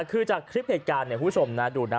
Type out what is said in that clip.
คือจากคลิปเหตุการณ์ผู้ชมดูนะ